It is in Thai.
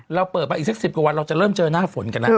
เราเปิดมาอีกสัก๑๐กว่าวันเราจะเริ่มเจอหน้าฝนกันแล้ว